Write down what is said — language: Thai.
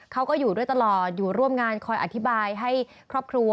เขาก็อยู่ด้วยตลอดอยู่ร่วมงานคอยอธิบายให้ครอบครัว